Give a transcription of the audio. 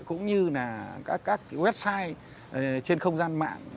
cũng như là các website trên không gian mạng